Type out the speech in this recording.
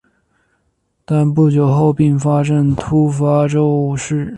但不久后并发症突发骤逝。